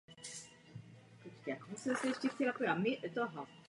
Všechny čáry musí být stejné barvy.